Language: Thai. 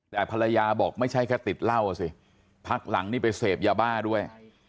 แต่ภรรยาบอกไม่ใช่แค่ติดเหล้าอ่ะสิพักหลังนี่ไปเสพยาบ้าด้วย